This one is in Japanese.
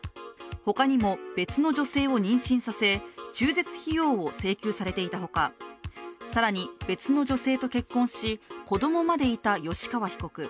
他にも別の女性を妊娠させ中絶費用を請求されていたほか更に、別の女性と結婚し、子供までいた吉川被告。